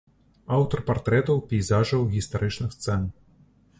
Аўтар партрэтаў, пейзажаў, гістарычных сцэн.